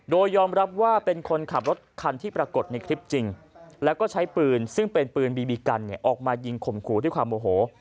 โดยยอมรับว่าเป็นคนขับรถคันที่ปรากฏในคลิปจริงแล้วก็ใช้ปืนซึ่งเป็นปืนบีบีกันออกมายิงข่มขู่ด้วยความโมโห